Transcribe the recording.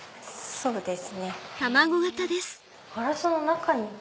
そうです。